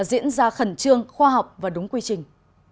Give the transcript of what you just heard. diễn ra khẩn trương khoa học và đúng quy trình